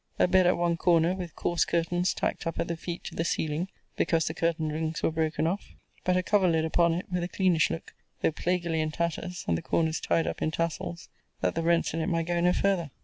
A bed at one corner, with coarse curtains tacked up at the feet to the ceiling; because the curtain rings were broken off; but a coverlid upon it with a cleanish look, though plaguily in tatters, and the corners tied up in tassels, that the rents in it might go no farther.